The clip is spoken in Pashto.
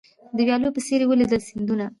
د ویالو په څېر یې ولیدل سیندونه